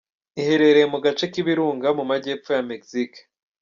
Iherereye mu gace k’ ibirunga mu magepfo ya Mexique.